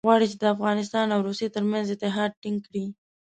غواړي چې د افغانستان او روسیې ترمنځ اتحاد ټینګ کړي.